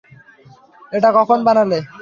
এটা কখন বানালে?